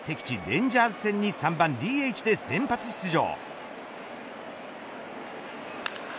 レンジャーズ戦に３番ＤＨで先発出場。